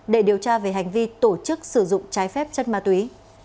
để điều tra về hành vi tổ chức sử dụng trái phép chất ma túy